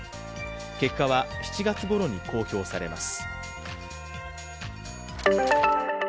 結果は７月ごろに公表されます。